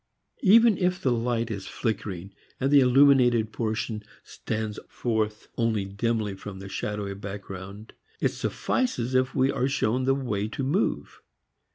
Even if the light is flickering and the illuminated portion stands forth only dimly from the shadowy background, it suffices if we are shown the way to move.